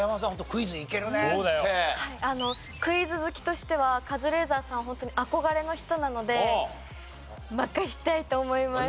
クイズ好きとしてはカズレーザーさんはホントに憧れの人なので負かしたいと思います。